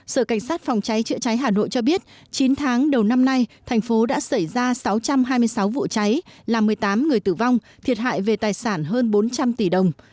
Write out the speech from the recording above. sở cảnh sát phòng cháy chữa cháy hà nội cho biết chín tháng đầu năm nay thành phố đã xảy ra sáu trăm hai mươi sáu vụ cháy làm một mươi tám người tử vong thiệt hại về tài sản hơn bốn trăm linh tỷ đồng